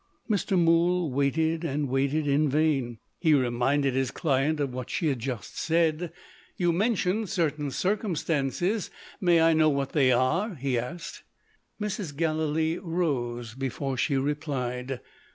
Mr. Mool waited, and waited in vain. He reminded his client of what she had just said. "You mentioned certain circumstances. May I know what they are?" he asked. Mrs. Gallilee rose, before she replied.